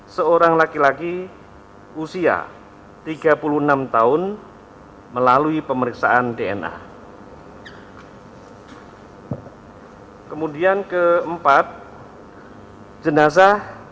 seorang laki laki usia tiga puluh enam tahun melalui pemeriksaan dna